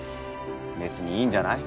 別にいいんじゃない？